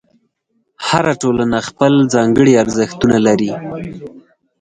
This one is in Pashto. هره ټولنه خپل ځانګړي ارزښتونه لري.